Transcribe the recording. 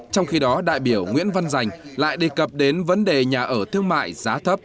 trong khi đó đại biểu nguyễn văn giành lại đề cập đến vấn đề nhà ở thương mại giá thấp